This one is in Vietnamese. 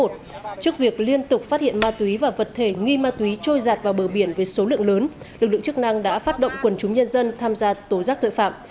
trước việc liên tục phát hiện ma túy và vật thể nghi ma túy trôi giạt vào bờ biển với số lượng lớn lực lượng chức năng đã phát động quần chúng nhân dân tham gia tố giác tội phạm